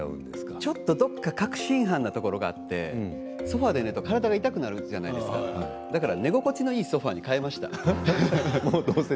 ちょっとどこか確信犯なところがあってソファーで寝ると体が痛くなるじゃないですか寝心地のいいソファーに変えました。